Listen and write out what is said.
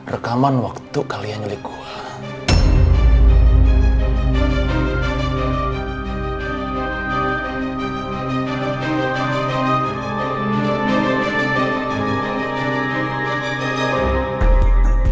rekaman waktu kalian milik gue